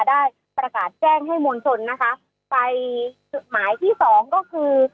ได้ประกาศแจ้งให้มวลชนนะคะไปจุดหมายที่สองก็คือ